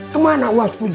kemana uang sepuluh juta itu